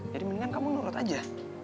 jadi mendingan kamu nurut aja